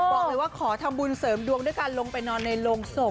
บอกเลยว่าขอทำบุญเสริมดวงด้วยการลงไปนอนในโรงศพ